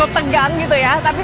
tapi sangat menarik